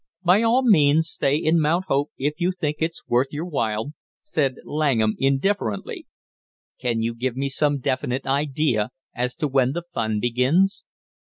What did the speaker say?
"By all means stay in Mount Hope if you think it's worth your while," said Langham indifferently. "Can you give me some definite idea as to when the fun begins?"